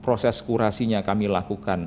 proses kurasinya kami lakukan